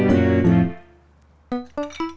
jangan lupa subscribe channel ini